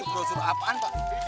ini brosur apaan pak